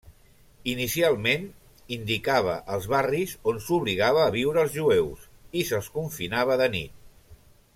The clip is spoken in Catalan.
Inicialment, indicava els barris on s'obligava a viure els jueus i se'ls confinava de nit.